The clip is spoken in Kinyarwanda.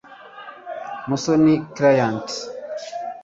musoni clément